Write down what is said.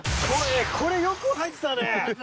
これよく入ってたね！